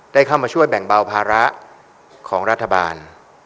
ได้เข้ามาช่วยแบ่งเบาภาระของรัฐบาล